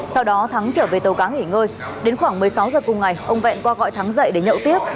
sau đó thắng trở về tàu cá nghỉ ngơi đến khoảng một mươi sáu giờ cùng ngày ông vẹn qua gọi thắng dậy để nhậu tiếp